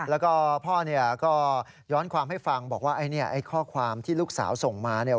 แล้วก็พ่อเนี่ยก็ย้อนความให้ฟังบอกว่าไอ้เนี่ยไอ้ข้อความที่ลูกสาวส่งมาเนี่ย